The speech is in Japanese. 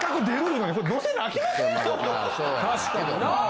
確かにな。